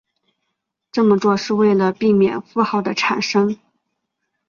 这么做是为了避免负号的产生。